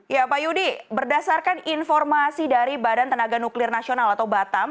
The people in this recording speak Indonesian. ya pak yudi berdasarkan informasi dari badan tenaga nuklir nasional atau batam